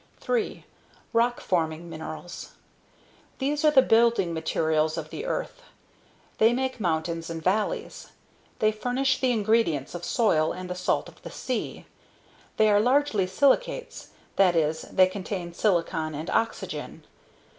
3. ROCK FORMING MINERALS. These are the building materials of the earth. They make mountains and valleys. They furnish the ingredients of soil and the salt of the sea. They are largely silicates that is, they contain silicon and oxygen.